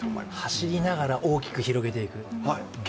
走りながら大きく広げていく。